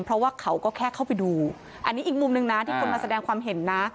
เพราะว่าเขาก็แค่เข้าไปดูอันนี้อีกมุมหนึ่งนะที่คนมาแสดงความเห็นนะ